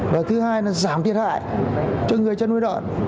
rồi thứ hai là giảm thiệt hại cho người chân huy đoạn